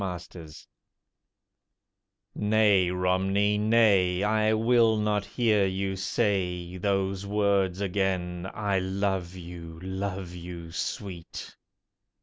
ROMNEY Nay, Romney, nay—I will not hear you say Those words again: "I love you, love you sweet!"